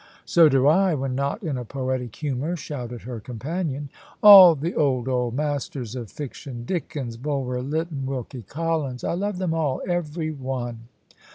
"So do I, when not in a poetic humour," shouted her companion. "All the old, old masters of fiction. Dickens, Bulwer Lytton, Wilkie Collins. I love them all every one."